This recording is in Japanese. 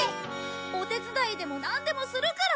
お手伝いでもなんでもするから。